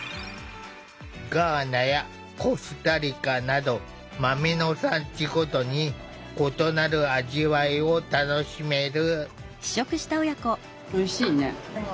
ガーナやコスタリカなど豆の産地ごとに異なる味わいを楽しめる。